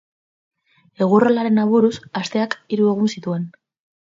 Egurrolaren aburuz asteak hiru egun zituen.